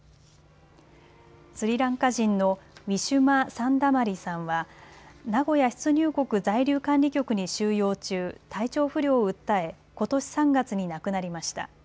スリランカ人のウィシュマ・サンダマリさんは名古屋出入国在留管理局に収容中、体調不良を訴え、ことし３月に亡くなりました。